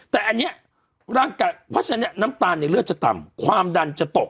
แต่อันนี้ร่างกายเพราะฉะนั้นน้ำตาลในเลือดจะต่ำความดันจะตก